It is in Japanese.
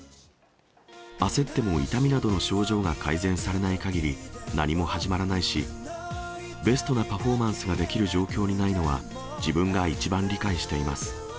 焦っても、痛みなどの症状が改善されないかぎり、何も始まらないし、ベストなパフォーマンスができる状況にないのは、自分が一番理解しています。